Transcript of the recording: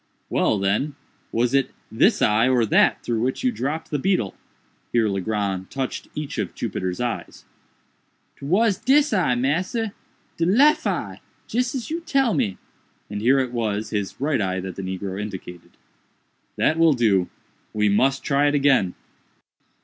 "Well, then, was it this eye or that through which you dropped the beetle?"—here Legrand touched each of Jupiter's eyes. "'Twas dis eye, massa—de lef eye—jis as you tell me," and here it was his right eye that the negro indicated. "That will do—we must try it again."